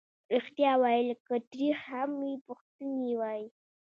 ریښتیا ویل که تریخ هم وي پښتون یې وايي.